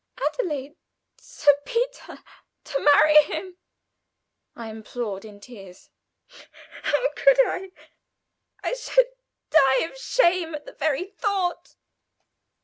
"Adelaide! Sir Peter! To marry him?" I implored in tears. "How could I? I should die of shame at the very thought.